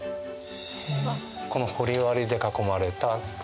この掘り割りで囲まれた所。